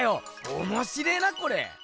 おもしれえなこれ。